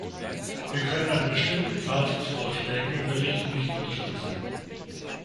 Wir können eine bestimmte Zahl von Vorschlägen im Bericht nicht unterstützen.